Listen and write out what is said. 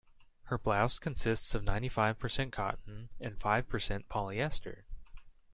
Her blouse consists of ninety-five percent cotton and five percent polyester.